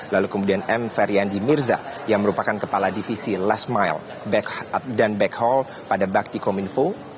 lalu kemudian m feryandi mirza yang merupakan kepala divisi last mile dan back hall pada bakti kominfo